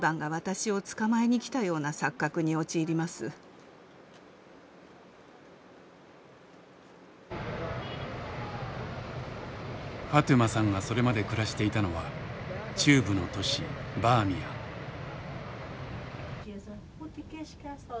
ファトゥマさんがそれまで暮らしていたのは中部の都市バーミヤン。